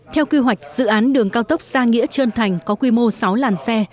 theo kỳ hoạch dự án đường cao tốc giang nghĩa trân thành có quy mô sáu làn xe